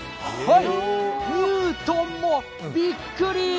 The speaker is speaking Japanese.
ニュートンもびっくり。